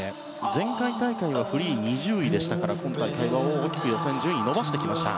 前回大会はフリー２０位でしたから今大会は大きく予選で順位を伸ばしてきました。